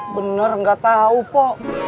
bener nggak tahu po